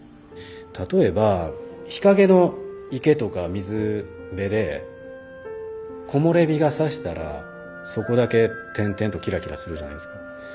例えば日陰の池とか水辺で木漏れ日がさしたらそこだけ点々とキラキラするじゃないですか。